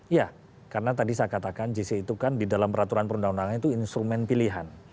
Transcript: iya karena tadi saya katakan jisi itu kan di dalam peraturan perundangan itu instrumen pilihan